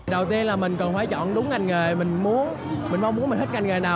đầu tiên là mình cần phải chọn đúng ngành nghề mình muốn mình mong muốn mình hết ngành nghề nào